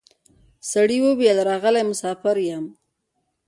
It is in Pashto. سړي وویل راغلی مسافر یم